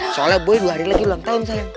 soalnya boy dua hari lagi ulang tahun saya